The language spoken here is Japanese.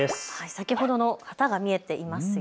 先ほどの旗が見えていますね。